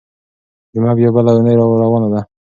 جمعه بيا بله اونۍ راروانه ده.